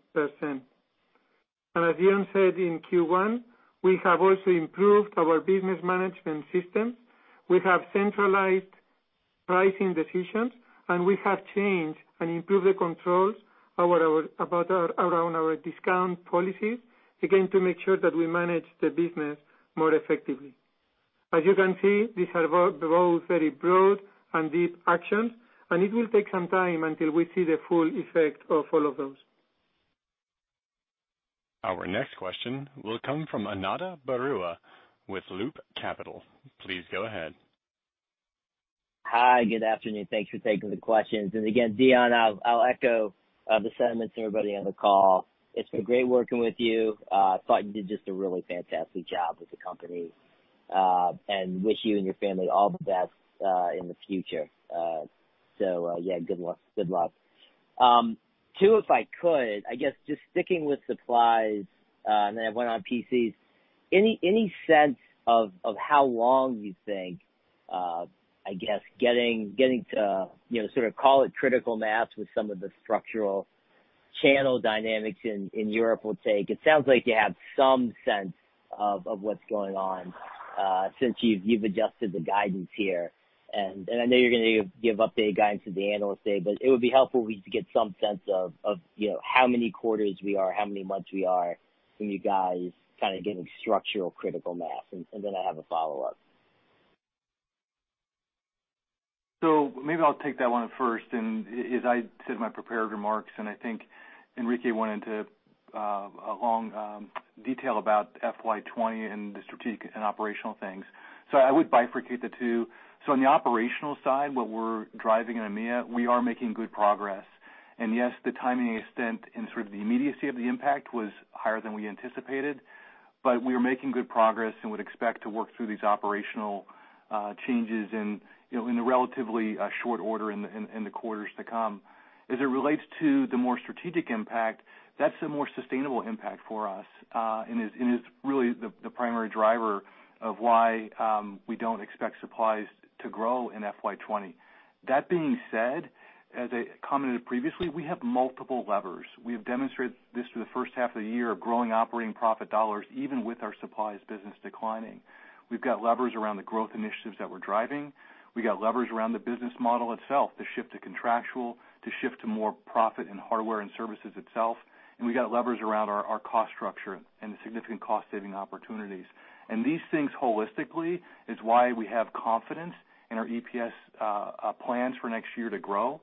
As Dion said in Q1, we have also improved our business management system. We have centralized pricing decisions, and we have changed and improved the controls around our discount policies, again, to make sure that we manage the business more effectively. As you can see, these are both very broad and deep actions, and it will take some time until we see the full effect of all of those. Our next question will come from Ananda Baruah with Loop Capital. Please go ahead. Hi, good afternoon. Thanks for taking the questions. Again, Dion, I'll echo the sentiments of everybody on the call. It's been great working with you. I thought you did just a really fantastic job with the company, and wish you and your family all the best in the future. Yeah, good luck. Two, if I could, just sticking with supplies, and then I have one on PCs. Any sense of how long you think getting to call it critical mass with some of the structural channel dynamics in Europe will take? It sounds like you have some sense of what's going on since you've adjusted the guidance here. I know you're going to give updated guidance at the Analyst Day, but it would be helpful if we could get some sense of how many quarters we are, how many months we are from you guys getting structural critical mass. I have a follow-up. Maybe I'll take that one first. As I said in my prepared remarks, I think Enrique went into a long detail about FY20 and the strategic and operational things. I would bifurcate the two. On the operational side, what we're driving in EMEA, we are making good progress. Yes, the timing extent and the immediacy of the impact was higher than we anticipated. We are making good progress and would expect to work through these operational changes in a relatively short order in the quarters to come. As it relates to the more strategic impact, that's a more sustainable impact for us, is really the primary driver of why we don't expect supplies to grow in FY20. That being said, as I commented previously, we have multiple levers. We have demonstrated this through the first half of the year of growing operating profit dollars, even with our supplies business declining. We've got levers around the growth initiatives that we're driving. We got levers around the business model itself to shift to contractual, to shift to more profit in hardware and services itself. We got levers around our cost structure and the significant cost-saving opportunities. These things holistically is why we have confidence in our EPS plans for next year to grow.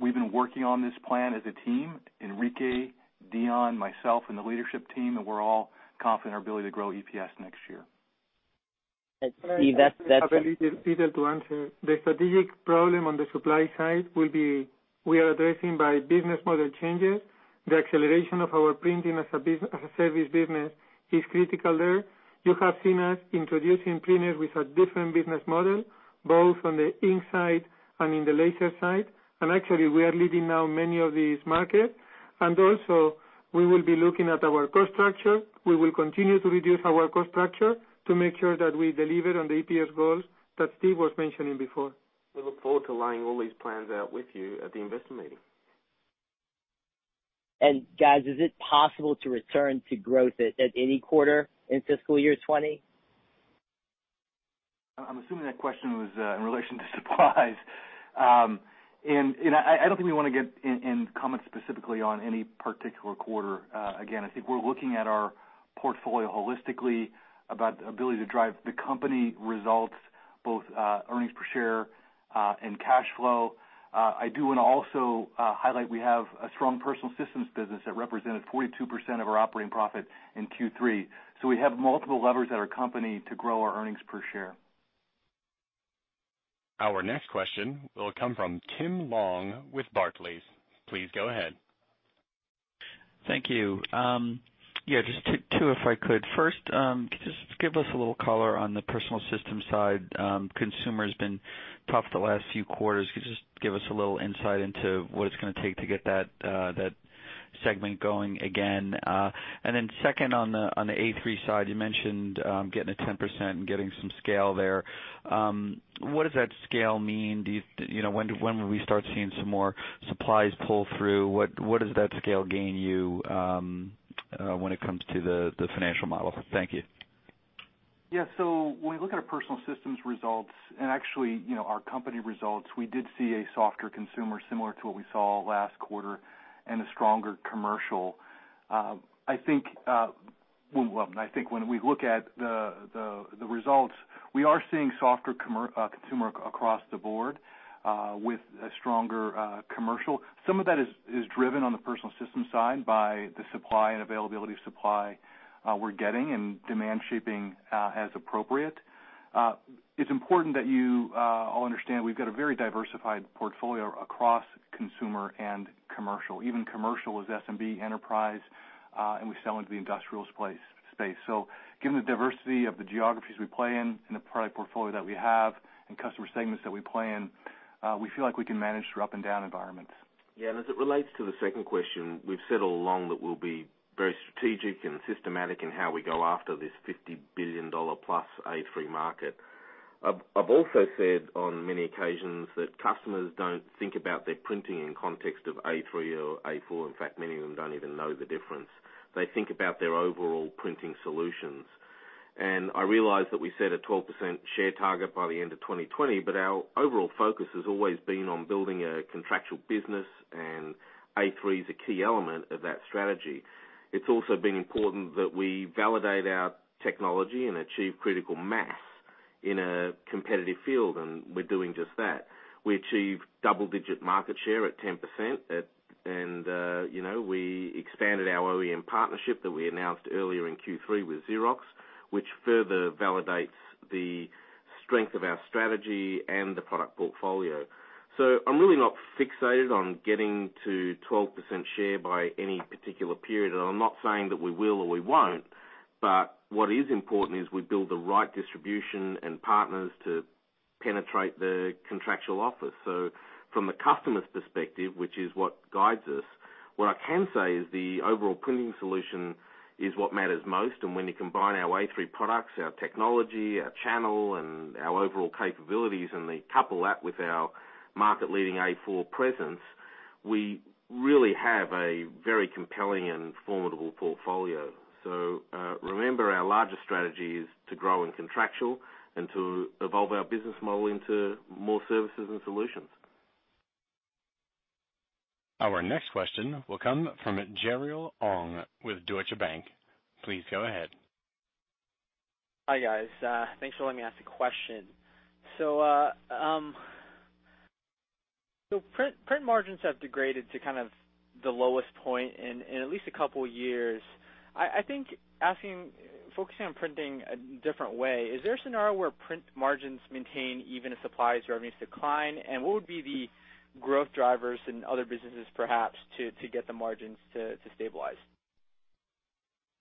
We've been working on this plan as a team, Enrique, Dion, myself, and the leadership team, and we're all confident in our ability to grow EPS next year. That's- It's bitter to answer. The strategic problem on the supply side we are addressing by business model changes. The acceleration of our printing as a service business is critical there. You have seen us introducing printers with a different business model, both on the ink side and in the laser side. Actually, we are leading now many of these markets. Also, we will be looking at our cost structure. We will continue to reduce our cost structure to make sure that we deliver on the EPS goals that Steve was mentioning before. We look forward to laying all these plans out with you at the investment meeting. Guys, is it possible to return to growth at any quarter in fiscal year 2020? I'm assuming that question was in relation to supplies. I don't think we want to get and comment specifically on any particular quarter. Again, I think we're looking at our portfolio holistically about the ability to drive the company results, both earnings per share and cash flow. I do want to also highlight we have a strong Personal Systems business that represented 42% of our operating profit in Q3. We have multiple levers at our company to grow our earnings per share. Our next question will come from Tim Long with Barclays. Please go ahead. Thank you. Yeah, just two if I could. First, could you just give us a little color on the Personal Systems side? Consumer's been tough the last few quarters. Could you just give us a little insight into what it's going to take to get that segment going again? Second on the A3 side, you mentioned getting to 10% and getting some scale there. What does that scale mean? When will we start seeing some more supplies pull through? What does that scale gain you when it comes to the financial model? Thank you. Yeah. When we look at our Personal Systems results and actually our company results, we did see a softer consumer similar to what we saw last quarter and a stronger commercial. I think when we look at the results, we are seeing softer consumer across the board with a stronger commercial. Some of that is driven on the Personal Systems side by the supply and availability of supply we're getting and demand shaping as appropriate. It's important that you all understand we've got a very diversified portfolio across consumer and commercial. Even commercial is SMB enterprise, and we sell into the industrial space. Given the diversity of the geographies we play in and the product portfolio that we have and customer segments that we play in, we feel like we can manage through up and down environments. Yeah, as it relates to the second question, we've said all along that we'll be very strategic and systematic in how we go after this $50 billion plus A3 market. I've also said on many occasions that customers don't think about their printing in context of A3 or A4. In fact, many of them don't even know the difference. They think about their overall printing solutions. I realize that we set a 12% share target by the end of 2020. Our overall focus has always been on building a contractual business, and A3 is a key element of that strategy. It's also been important that we validate our technology and achieve critical mass in a competitive field. We're doing just that. We achieved double-digit market share at 10%, and we expanded our OEM partnership that we announced earlier in Q3 with Xerox, which further validates the strength of our strategy and the product portfolio. I'm really not fixated on getting to 12% share by any particular period, and I'm not saying that we will or we won't. What is important is we build the right distribution and partners to penetrate the contractual office. From the customer's perspective, which is what guides us, what I can say is the overall printing solution is what matters most. When you combine our A3 products, our technology, our channel, and our overall capabilities, and then couple that with our market-leading A4 presence, we really have a very compelling and formidable portfolio. Remember, our larger strategy is to grow in contractual and to evolve our business model into more services and solutions. Our next question will come from Jeriel Ong with Deutsche Bank. Please go ahead. Hi, guys. Thanks for letting me ask a question. Print margins have degraded to kind of the lowest point in at least a couple years. I think asking, focusing on printing a different way, is there a scenario where print margins maintain even if supplies or earnings decline? What would be the growth drivers in other businesses, perhaps, to get the margins to stabilize?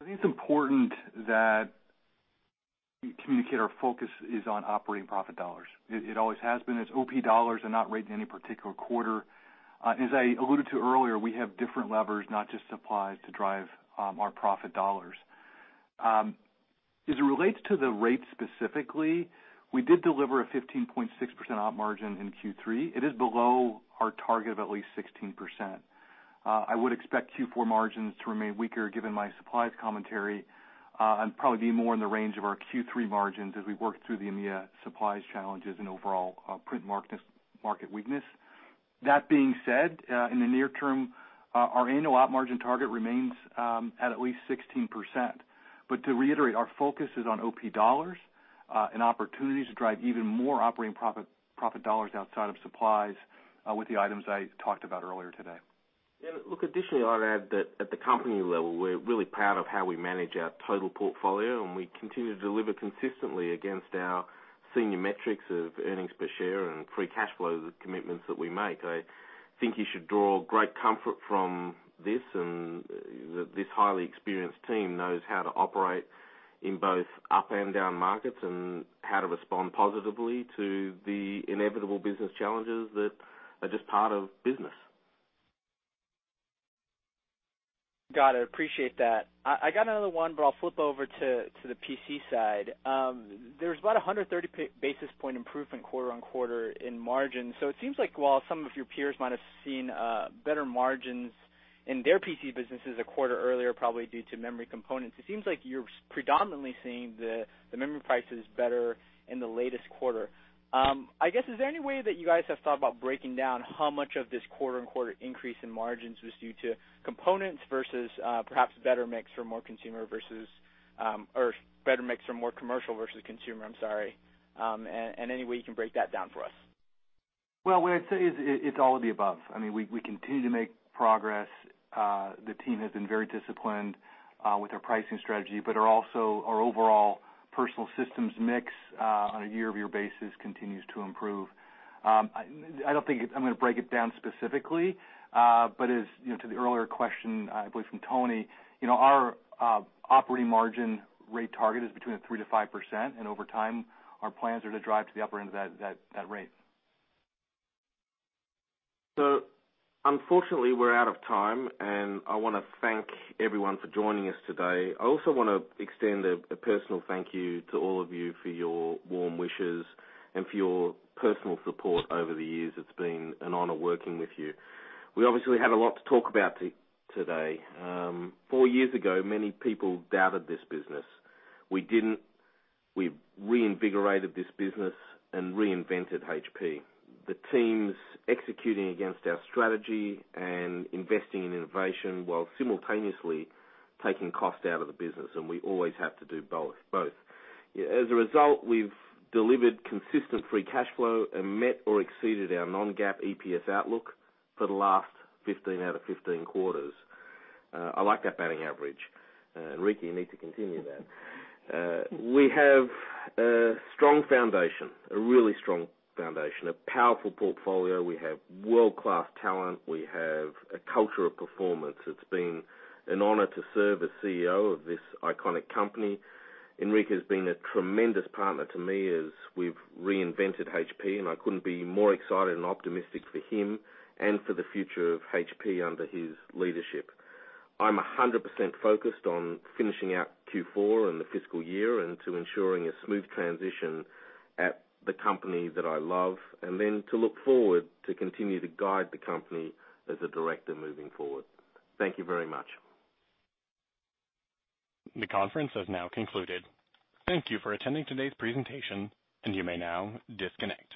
I think it's important that we communicate our focus is on operating profit dollars. It always has been. It's OP dollars and not rate in any particular quarter. As I alluded to earlier, we have different levers, not just supplies, to drive our profit dollars. As it relates to the rate specifically, we did deliver a 15.6% OP margin in Q3. It is below our target of at least 16%. I would expect Q4 margins to remain weaker given my supplies commentary, and probably be more in the range of our Q3 margins as we work through the EMEA supplies challenges and overall print market weakness. That being said, in the near term, our annual OP margin target remains at at least 16%. To reiterate, our focus is on OP dollars and opportunities to drive even more operating profit dollars outside of supplies with the items I talked about earlier today. Yeah, look, additionally, I'd add that at the company level, we're really proud of how we manage our total portfolio, and we continue to deliver consistently against our senior metrics of earnings per share and free cash flow, the commitments that we make. I think you should draw great comfort from this and that this highly experienced team knows how to operate in both up and down markets and how to respond positively to the inevitable business challenges that are just part of business. Got it. Appreciate that. I got another one. I'll flip over to the PC side. There's about 130 basis point improvement quarter-on-quarter in margin. It seems like while some of your peers might have seen better margins in their PC businesses a quarter earlier, probably due to memory components, it seems like you're predominantly seeing the memory prices better in the latest quarter. I guess, is there any way that you guys have thought about breaking down how much of this quarter-on-quarter increase in margins was due to components versus perhaps better mix for more consumer versus or better mix for more commercial versus consumer? I'm sorry. Any way you can break that down for us? Well, what I'd say is, it's all of the above. I mean, we continue to make progress. The team has been very disciplined with our pricing strategy, but also, our overall personal systems mix on a year-over-year basis continues to improve. I don't think I'm gonna break it down specifically. As, you know, to the earlier question, I believe from Toni, you know, our operating margin rate target is between a 3%-5%, and over time, our plans are to drive to the upper end of that rate. Unfortunately, we're out of time, and I wanna thank everyone for joining us today. I also wanna extend a personal thank you to all of you for your warm wishes and for your personal support over the years. It's been an honor working with you. We obviously had a lot to talk about today. Four years ago, many people doubted this business. We didn't. We reinvigorated this business and reinvented HP. The team's executing against our strategy and investing in innovation while simultaneously taking cost out of the business, and we always have to do both. As a result, we've delivered consistent free cash flow and met or exceeded our non-GAAP EPS outlook for the last 15 out of 15 quarters. I like that batting average. Enrique, you need to continue that. We have a really strong foundation, a powerful portfolio. We have world-class talent. We have a culture of performance. It's been an honor to serve as CEO of this iconic company. Enrique has been a tremendous partner to me as we've reinvented HP, and I couldn't be more excited and optimistic for him and for the future of HP under his leadership. I'm 100% focused on finishing out Q4 and the fiscal year and to ensuring a smooth transition at the company that I love, and then to look forward to continue to guide the company as a director moving forward. Thank you very much. The conference has now concluded. Thank you for attending today's presentation. You may now disconnect.